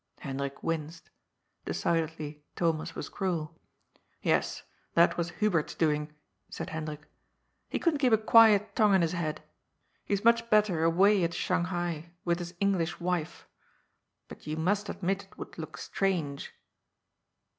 Hendrik winced. Decidedly Thomas was cruel. '' Yes, that was Hubert's doing," said Hendrik. ^' He couldn't keep a quiet tongue in his head. He's much better away at Shanghai with his English wife. But you must admit it would look strange."